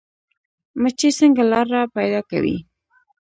مچۍ څنګه لاره پیدا کوي؟